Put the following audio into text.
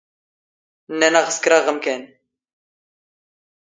ⵏⵏⴰⵏ ⴰⵖ ⵙⴽⵔⴰⵖ ⵎⴽⴰⵏⵏ.